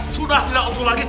sudah tidak utuh lagi